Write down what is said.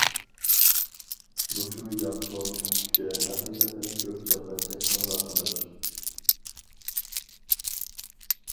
مۇشۇ يانفون پۈتكۈچە ھەقىقەتەن كۆپ جاپا چەكتىڭلار ئاداش!